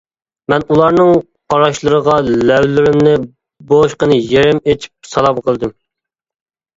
مەن ئۇلارنىڭ قاراشلىرىغا لەۋلىرىمنى بوشقىنە يېرىم ئىچىپ سالام قىلدىم.